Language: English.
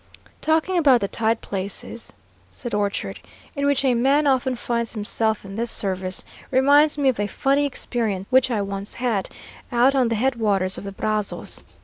"Talking about the tight places," said Orchard, "in which a man often finds himself in this service, reminds me of a funny experience which I once had, out on the head waters of the Brazos.